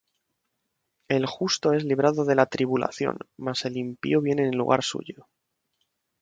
El justo es librado de la tribulación: Mas el impío viene en lugar suyo.